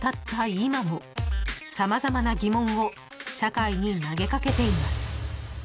今も様々な疑問を社会に投げ掛けています］